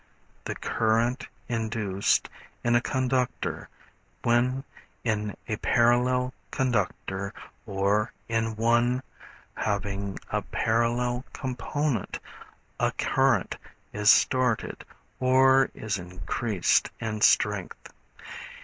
The current induced in a conductor, when in a parallel conductor or in one having a parallel component a current is started, or is increased in strength.